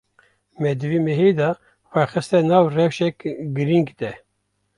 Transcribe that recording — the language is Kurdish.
Me di vê mehê de xwe xiste nav rewşek girîng de.